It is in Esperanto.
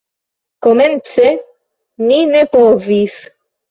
Komence ni ne povis.